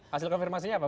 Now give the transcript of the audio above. hasil konfirmasinya apa